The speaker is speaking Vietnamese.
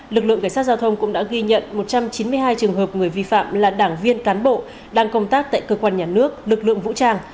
lực lượng cảnh sát giao thông cũng đã ghi nhận một trăm chín mươi hai trường hợp người vi phạm là đảng viên cán bộ đang công tác tại cơ quan nhà nước lực lượng vũ trang